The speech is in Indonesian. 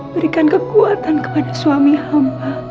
berikan kekuatan kepada suami hampa